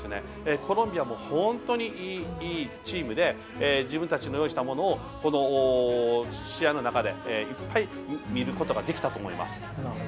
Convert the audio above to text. コロンビアも本当にいいチームで自分たちの用意したものをこの試合の中でいっぱい見ることができたと思います。